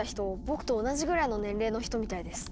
僕と同じぐらいの年齢の人みたいです。